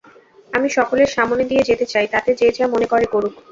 আমি সকলের সামনে দিয়ে যেতে চাই, তাতে যে যা মনে করে করুক।